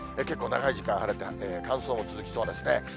結構長い時間晴れて、乾燥も続きそうですね。